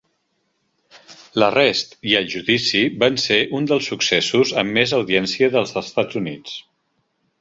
L'arrest i el judici van ser un dels successos amb més audiència dels Estats Units.